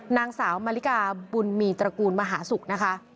นางสาวมาริกาบุญมีตระกูลมหาศุกร์นะคะ